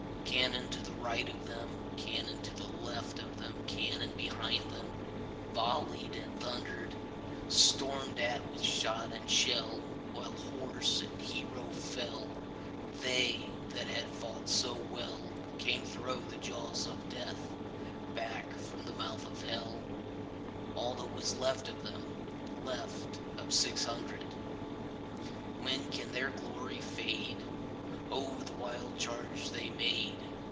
Cannon to right of them, Cannon to left of them, Cannon behind themVolley'd and thunder'd; Storm'd at with shot and shell, While horse and hero fell, They that had fought so wellCame thro' the jaws of Death, Back from the mouth of Hell, All that was left of them, Left of six hundred. When can their glory fade?O the wild charge they made!